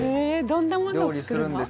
どんなものを作るの？